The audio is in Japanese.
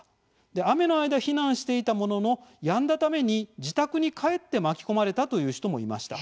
雨の間、避難していたもののやんだために自宅に帰って巻き込まれたという人もいました。